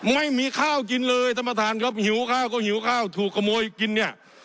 ไม่มีข้าวกินเลยท่านประธานครับหิวข้าวก็หิวข้าวถูกขโมยกินเนี่ย